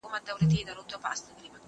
زه به سبا لیکل وکړم!!